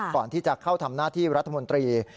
ก่อนที่จะเข้าทำหน้าที่รัฐมนตรี